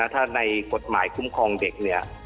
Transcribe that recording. ถ้าในกฎหมายคุ้มครองเด็กเนี่ย